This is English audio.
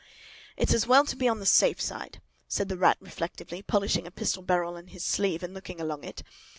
"It's as well to be on the safe side," said the Rat reflectively, polishing a pistol barrel on his sleeve and looking along it.